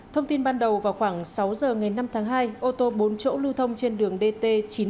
thông tin ban đầu vào khoảng sáu giờ ngày năm tháng hai ô tô bốn chỗ lưu thông trên đường dt chín trăm bảy mươi